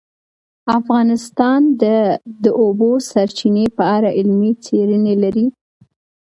افغانستان د د اوبو سرچینې په اړه علمي څېړنې لري.